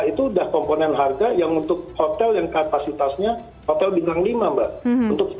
itu sudah komponen harga yang untuk hotel yang kapasitasnya hotel bintang lima mbak